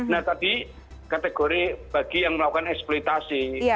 nah tadi kategori bagi yang melakukan eksploitasi